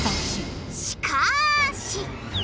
しかし！